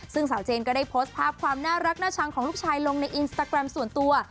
ซึ่งสาวเจนก็ได้โพสต์ภาพความน่ารักน่าชังของลูกชายลงในอินสตาแกรมส่วนตัว